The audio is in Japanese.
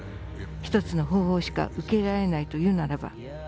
１つの方法しか受け入れられないというならば。